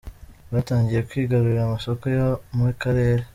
Batangiye kwigarurira amasoko yo mu karere.